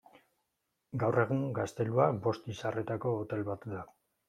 Gaur egun gaztelua bost izarretako hotel bat da.